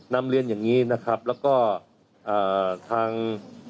นำเรียนอย่างนี้นะครับแล้วก็ทาง